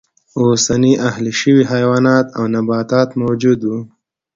اوسني اهلي شوي حیوانات او نباتات موجود و.